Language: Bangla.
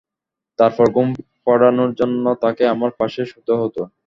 তারপর, ঘুম পাড়ানোর জন্য তাকে আমার পাশে শুতে হতো।